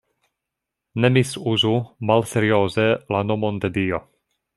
Ne misuzu malserioze la nomon de Dio.